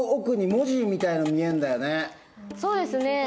そうですね。